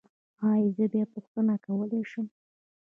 ایا زه بیا پوښتنه کولی شم؟